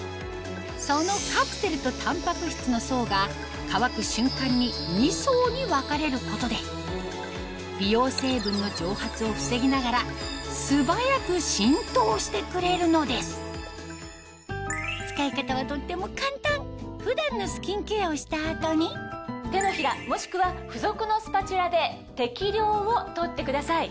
そのカプセルとタンパク質の層が乾く瞬間に２層に分かれることで美容成分の蒸発を防ぎながら素早く浸透してくれるのです使い方はとっても簡単普段のスキンケアをした後に手のひらもしくは付属のスパチュラで適量を取ってください。